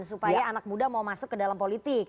supaya anak muda mau masuk ke dalam politik